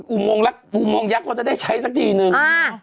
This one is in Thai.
อุโมงยักษ์เราจะได้ใช้สักทีนึง